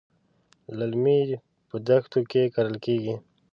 للمي په دښتو کې کرل کېږي.